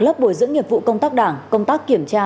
lớp bồi dưỡng nghiệp vụ công tác đảng công tác kiểm tra